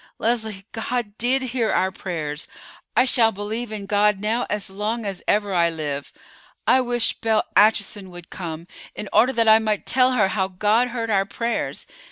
Leslie, God did hear our prayers. I shall believe in God now as long as ever I live. I wish Belle Acheson would come, in order that I might tell her how God heard our prayers.